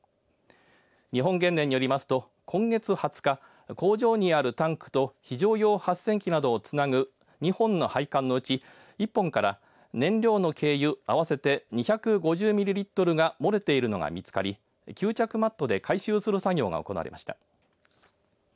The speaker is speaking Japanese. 日本原燃によりますと今月２０日工場にあるタンクと非常用発電機などをつなぐ２本の配管のうち１本から燃料の軽油合わせて２５０ミリリットルが漏れているのが見つかり吸着マットで回収する作業が行われました。